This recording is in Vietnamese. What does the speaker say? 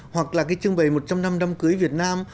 hoặc là cái trưng bày một trăm linh năm đám cưới việt nam